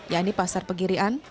yakni pasar pegirian